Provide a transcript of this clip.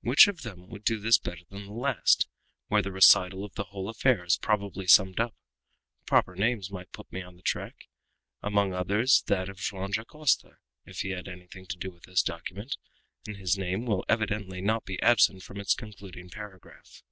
Which of them would do this better than the last, where the recital of the whole affair is probably summed up? Proper names might put me on the track, among others that of Joam Dacosta; and if he had anything to do with this document, his name will evidently not be absent from its concluding paragraph."